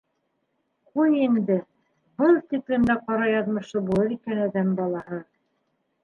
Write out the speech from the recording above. Ҡуй инде, был тиклем дә ҡара яҙмышлы булыр икән әҙәм балаһы.